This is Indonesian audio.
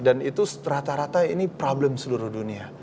dan itu rata rata ini problem seluruh dunia